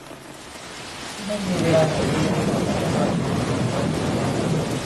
ไม่มีเวลาไหนดีไปกว่าปัจจุบัน